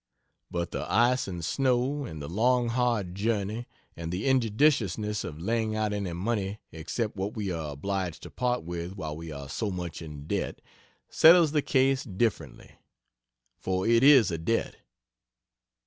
But the ice & snow, & the long hard journey, & the injudiciousness of laying out any money except what we are obliged to part with while we are so much in debt, settles the case differently. For it is a debt.